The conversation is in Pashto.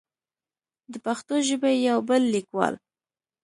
د پښتو ژبې يو بل ليکوال